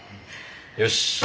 よし。